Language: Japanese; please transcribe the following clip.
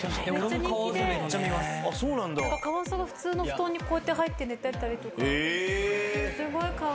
カワウソが普通の布団にこうやって入って寝てたりとか。